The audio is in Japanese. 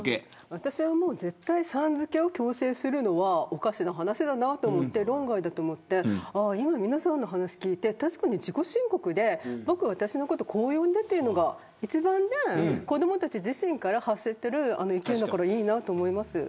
私はさん付けを強制するのはおかしな話だなと思って論外だと思って皆さんの話を聞いて自己申告で僕、私のことをこう呼んでというのが子どもたち自身から発せている意見だからいいなと思います。